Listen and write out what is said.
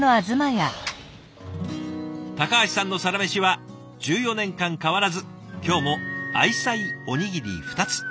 橋さんのサラメシは１４年間変わらず今日も愛妻おにぎり２つ。